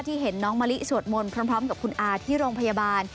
เห็นน้องมะลิสวดมนต์พร้อมกับคุณอาที่โรงพยาบาล